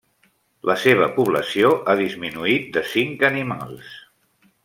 La seva població ha disminuït de cinc animals.